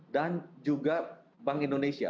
dan juga bank indonesia